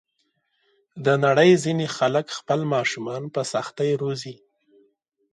د نړۍ ځینې خلک خپل ماشومان په سختۍ روزي.